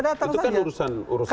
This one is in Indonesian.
itu kan urusan pribadi dia